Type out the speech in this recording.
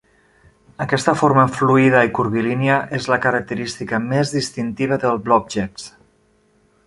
Aquesta forma fluïda i curvilínia és la característica més distintiva del "blobjects".